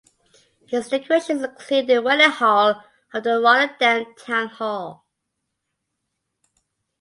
His decorations include the wedding hall of the Rotterdam Town Hall.